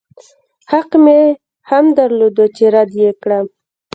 حق مې هم درلود چې رد يې کړم.